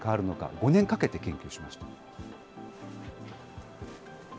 ５年かけて研究しました。